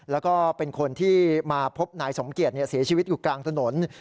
แล้วก็เป็นคนที่มาพบนายสมเกียจเสียชีวิตอยู่กลางถนน